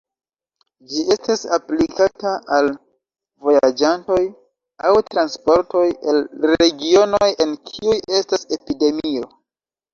Ĝi estas aplikata al vojaĝantoj aŭ transportoj el regionoj, en kiuj estas epidemio.